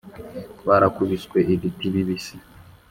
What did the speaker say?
Twarakubiswe ibiti bibisi